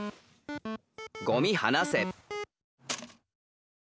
「ゴミはなせ」。